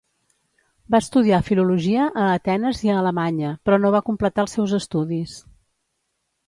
Va estudiar filologia a Atenes i a Alemanya, però no va completar els seus estudis.